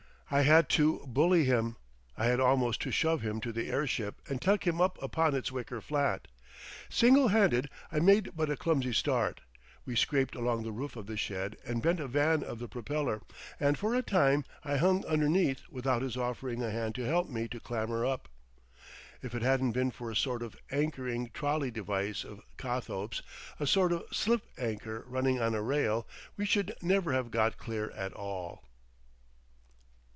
I had to bully him, I had almost to shove him to the airship and tuck him up upon its wicker flat. Single handed I made but a clumsy start; we scraped along the roof of the shed and bent a van of the propeller, and for a time I hung underneath without his offering a hand to help me to clamber up. If it hadn't been for a sort of anchoring trolley device of Cothope's, a sort of slip anchor running on a rail, we should never have got clear at all.